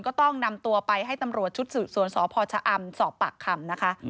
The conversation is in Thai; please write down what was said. ก็ต้องนำตัวไปให้ตำรวจชุดสืบสวนสพชะอำสอบปากคำนะคะ